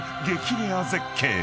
レア絶景］